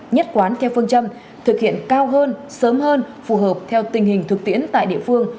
nhất quán theo phương châm thực hiện cao hơn sớm hơn phù hợp theo tình hình thực tiễn tại địa phương